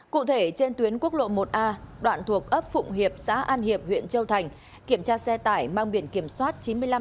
cụ thể trên tuyến quốc lộ một a đoạn thuộc ấp phụng hiệp xã an hiệp huyện châu thành kiểm tra xe tải mang biển kiểm soát